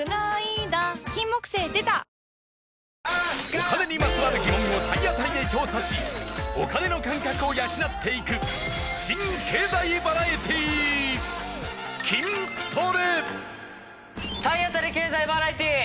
お金にまつわる疑問を体当たりで調査しお金の感覚を養っていく新経済バラエティー体当たり経済バラエティー！